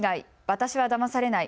私はだまされない。